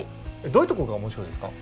どういうとこが面白いですか？